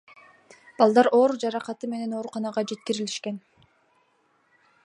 Балдар оор жаракаты менен ооруканага жеткирилишкен.